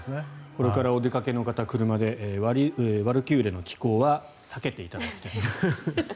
これから車でお出かけの方「ワルキューレの騎行」は避けていただくと。